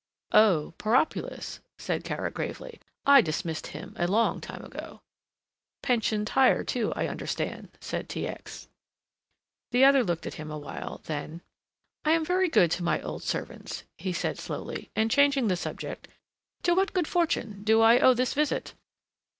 "Oh, Poropulos," said Kara gravely, "I dismissed him a long time ago." "Pensioned hire, too, I understand," said T. X. The other looked at him awhile, then, "I am very good to my old servants," he said slowly and, changing the subject; "to what good fortune do I owe this visit?"